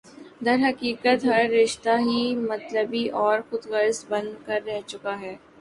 درحقیقت ہر رشتہ ہی مطلبی اور خودغرض بن کر رہ چکا ہے